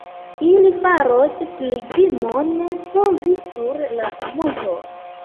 Ili faros pilgrimon pro vi sur la monton.